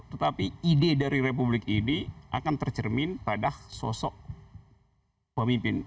tetapi ide dari republik ini akan tercermin pada sosok pemimpin